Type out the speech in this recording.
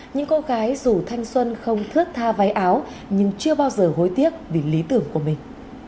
những cô gái dù thanh xuân không thước tha váy áo nhưng chưa bao giờ hối tiếc vì lý tưởng của mình